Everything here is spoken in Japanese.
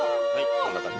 こんな感じです。